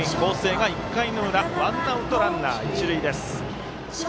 八戸学院光星が１回の裏ワンアウト、ランナー、一塁です。